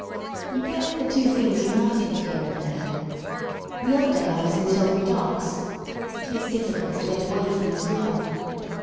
'•■:! You get the two things united here and there. The y I other day I was in Tilbury Docks. (It is difficult to L^ / get away from this river.)